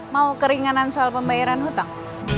mau keringanan soal pembayaran hutang